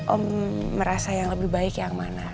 om merasa yang lebih baik yang mana